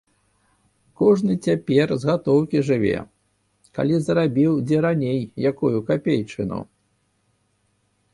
Кожны цяпер з гатоўкі жыве, калі зарабіў дзе раней якую капейчыну.